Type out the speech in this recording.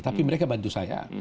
tapi mereka bantu saya